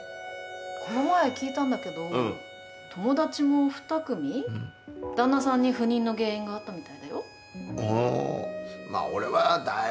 この前、聞いたんだけど友達も２組、旦那さんに不妊の原因があったみたいだよ。